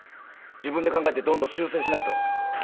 自分で考えてどんどん修正しないと。